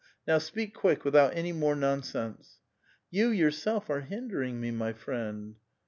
Now, speak quick, without any more nonsense." " You, yourself, are hindering me, my friend."